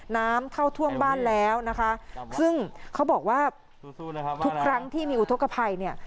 น้ำเข้าท่วมบ้านแล้วนะคะซึ่งเขาบอกว่าทุกครั้งที่มีอุทธกภัยเนี่ย